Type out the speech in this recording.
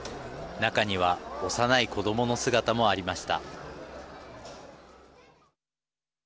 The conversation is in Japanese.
中には幼い子どもの姿もありました。